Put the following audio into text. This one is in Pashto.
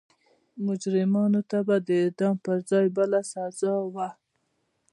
مجرمانو ته به د اعدام پر ځای بله سزا وه.